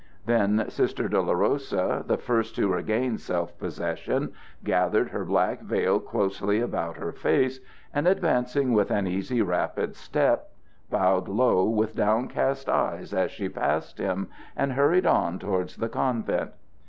Then Sister Dolorosa, the first to regain self possession, gathered her black veil closely about her face, and advancing with an easy, rapid step, bowed low with downcast eyes as she passed him, and hurried on towards the convent.